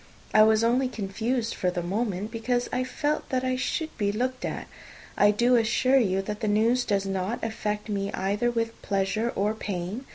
I was only confused for the moment, because I felt that I should be looked at. I do assure you that the news does not affect me either with pleasure or pain.